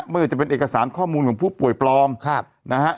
ไม่ว่าจะเป็นเอกสารข้อมูลของผู้ป่วยปลอมนะฮะ